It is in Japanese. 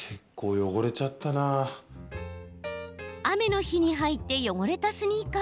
雨の日に履いて汚れたスニーカー。